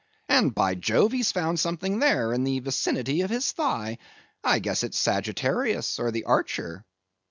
And by Jove, he's found something there in the vicinity of his thigh—I guess it's Sagittarius, or the Archer.